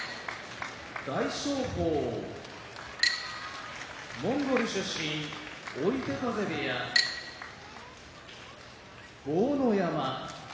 大翔鵬モンゴル出身追手風部屋豪ノ山